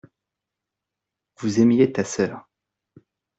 Vous aimiez ta sœur.